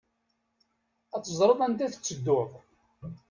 Ad teẓreḍ anda tettedduḍ.